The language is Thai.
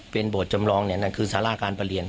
เป็นโบสถจำลองเนี่ยนั่นคือสาราการประเรียน